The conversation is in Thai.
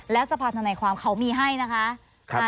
และสภาธนาความเขามีให้นะคะ